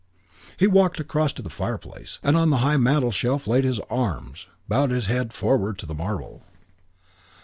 He walked across to the fireplace; and on the high mantle shelf laid his arms and bowed his forehead to the marble.